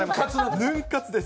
ヌン活です。